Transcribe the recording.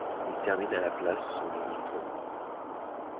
Il termine à la place son unique Tour.